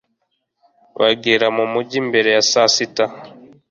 bagera mu mujyi mbere ya saa sita